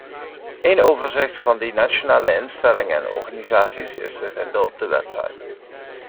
Een overzicht van die nationale instellingen en organisaties is te vinden op de website.